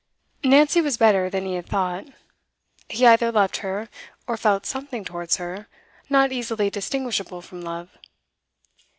Nancy was better than he had thought; he either loved her, or felt something towards her, not easily distinguishable from love.